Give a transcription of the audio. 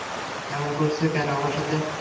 এমন করছ কেন আমার সাথে?